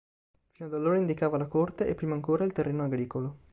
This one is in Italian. Fino ad allora indicava la corte e prima ancora il terreno agricolo.